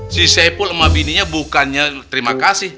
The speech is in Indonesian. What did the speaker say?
si si ipul sama bininya bukannya terima kasih